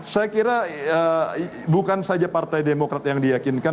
saya kira bukan saja partai demokrat yang diyakinkan